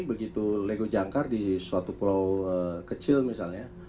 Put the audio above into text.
begitu lego jangkar di suatu pulau kecil misalnya